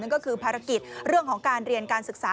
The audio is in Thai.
ก็คือภารกิจเรื่องของการเรียนการศึกษา